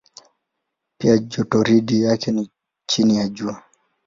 Pia jotoridi yake ni chini ya Jua.